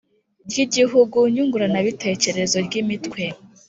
Ry igihugu nyunguranabitekerezo ry imitwe